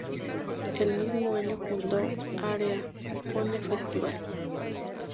El mismo año fundó Area:One Festival.